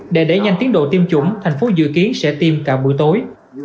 để đẩy nhanh tiến độ tiêm chủng thành phố dự kiến sẽ tiêm cả buổi tối